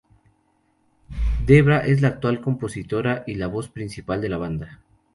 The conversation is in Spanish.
Debra es la actual compositora y la voz principal de la banda.